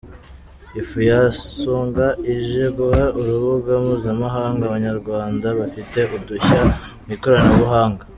Ifu Yasonga ije guha urubuga mpuzamahanga Abanyarwanda bafite udushya mu Ikoranabuhanga